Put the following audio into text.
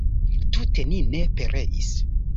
Tute ni ne pereis!